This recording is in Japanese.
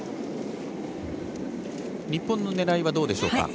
日本の狙いはどうでしょうか？